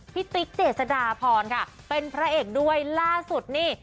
ติ๊กเจษฎาพรค่ะเป็นพระเอกด้วยล่าสุดนี่